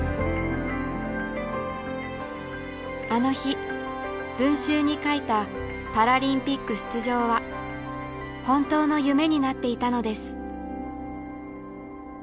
あの日文集に書いたパラリンピック出場は本当の夢になっていたのです。